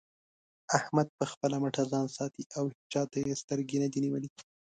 احمد په خپله مټه ځان ساتي او هيچا ته يې سترګې نه دې نيولې.